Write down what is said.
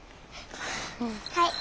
はい。